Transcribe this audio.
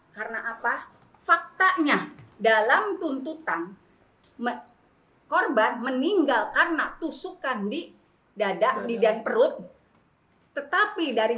karena apa faktanya dalam tuntutan korban meninggal karena tusukan di dada bidang perut tetapi dari